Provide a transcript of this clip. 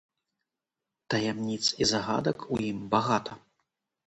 Таямніц і загадак у ім багата.